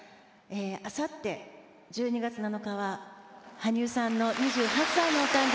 「あさって１２月７日は羽生さんの２８歳のお誕生日です」